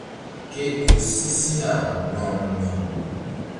Ke ƴo si sina no̧ŋ no̧ŋ.